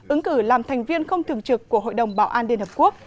ứng cử làm thành viên không thường trực của hội đồng bảo an liên hợp quốc